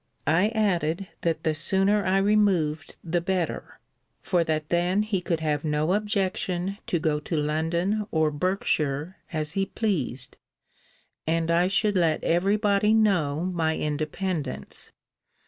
I added, that the sooner I removed the better; for that then he could have no objection to go to London, or Berkshire, as he pleased: and I should let every body know my independence.